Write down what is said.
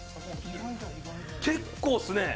結構っすね。